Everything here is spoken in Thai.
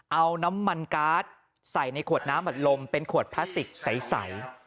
เอาน้ำมันการ์ดใส่ในขวดน้ำอัดลมเป็นขวดพลาสติกใส